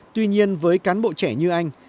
tuy nhiên với cán bộ trẻ như anh